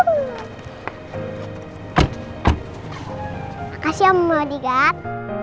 makasih om modigat